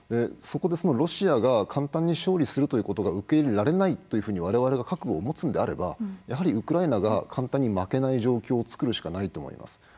そこでロシアが簡単に勝利することが受け入れられないと我々が覚悟を持つのであればやはりウクライナが簡単に負けない状況を作るしかないと思います。